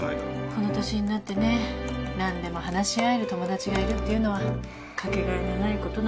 この年になってね何でも話し合える友達がいるっていうのは掛け替えのないことなんですよ。